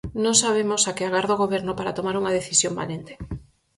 Non sabemos a que agarda o Goberno para tomar unha decisión valente.